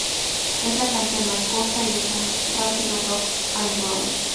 Es la canción más corta, y es un rápido rock and roll.